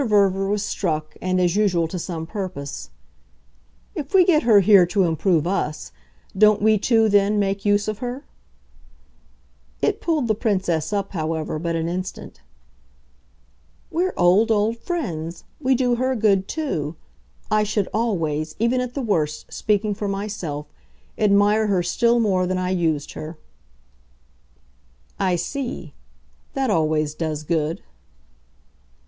Verver was struck and, as usual, to some purpose. "If we get her here to improve us don't we too then make use of her?" It pulled the Princess up, however, but an instant. "We're old, old friends we do her good too. I should always, even at the worst speaking for myself admire her still more than I used her." "I see. That always does good."